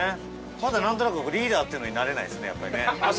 まだ、なんとなくリーダーっていうのに慣れないですね、やっぱりね。